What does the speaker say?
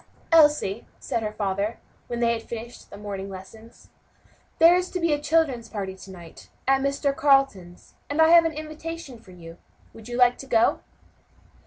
"Elsie," said her father, when they had finished the morning lessons, "there is to be a children's party to night, at Mr. Carleton's, and I have an invitation for you. Would you like to go?"